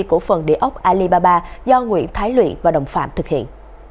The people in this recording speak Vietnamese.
cổ phần địa ốc alibaba do nguyễn thái luyện và đồng phạm thực hiện